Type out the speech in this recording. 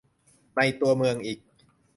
ในตัวเมืองอีก